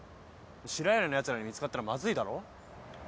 白百合のやつらに見つかったらまずいだろ。